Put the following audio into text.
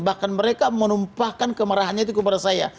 bahkan mereka menumpahkan kemarahannya itu kepada saya